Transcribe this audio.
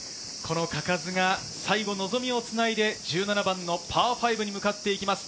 嘉数が最後、望みをつないで、１７番のパー５に向かっていきます。